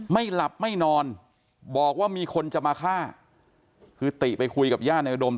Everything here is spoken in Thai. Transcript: ไม่หลับไม่นอนบอกว่ามีคนจะมาฆ่าคือติไปคุยกับญาติในอุดม